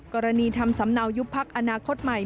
กรณีทำสำเนายุบพักอนาคตใหม่